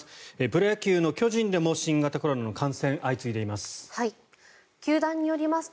プロ野球の巨人でも新型コロナの感染が相次いでいます。